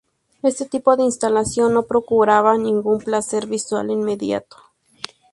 Este tipo de instalación no procuraba ningún placer visual inmediato.